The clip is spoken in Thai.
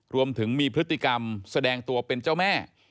รวมถึงมีพฤติกรรมแสดงตัวเป็นเจ้าแม่